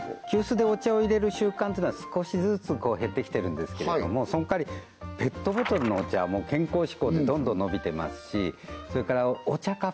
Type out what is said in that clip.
急須でお茶を入れる習慣というのは少しずつ減ってきてるんですけれどもその代わりペットボトルのお茶は健康志向でどんどん伸びてますしそれからお茶